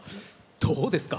どうですか？